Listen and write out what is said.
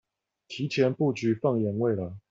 提早布局放眼未來